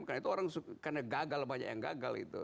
karena itu orang suka karena gagal banyak yang gagal itu